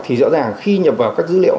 thì rõ ràng khi nhập vào các dữ liệu